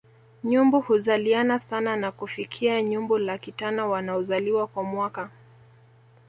Nyumbu huzaliana sana na kufikia nyumbu laki tano wanaozaliwa kwa mwaka